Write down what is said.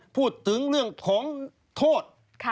พูดถึงเรื่องของโทษ